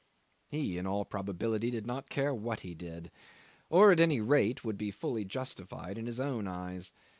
He, in all probability, did not care what he did, or at any rate would be fully justified in his own eyes.